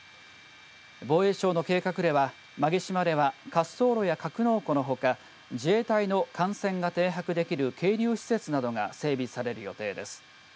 防衛省の計画では、馬毛島では滑走路や格納庫のほか自衛隊の艦船が停泊できる係留施設などが整備される予定です。